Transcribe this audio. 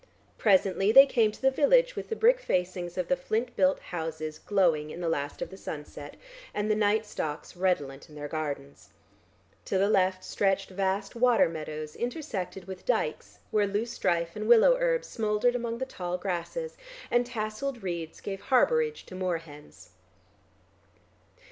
Presently they came to the village with the brick facings of the flint built houses glowing in the last of the sunset and the night stocks redolent in their gardens. To the left stretched vast water meadows intersected with dykes where loose strife and willow herb smouldered among the tall grasses, and tasselled reeds gave harbourage to moor hens.